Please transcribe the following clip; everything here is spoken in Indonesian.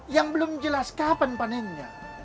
yang belum jelas kapan panennya